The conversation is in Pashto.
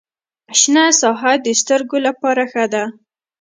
شنه ساحه د سترګو لپاره ښه ده.